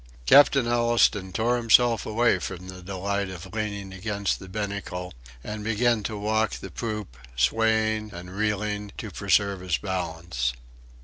Captain Allistoun tore himself away from the delight of leaning against the binnacle, and began to walk the poop, swaying and reeling to preserve his balance....